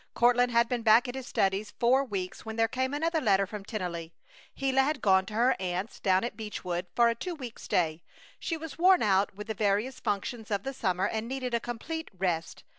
Courtland had been back at his studies four weeks when there came another letter from Tennelly. Gila had gone to her aunt's, down at Beechwood, for a two weeks' stay. She was worn out with the various functions of the summer and needed a complete rest.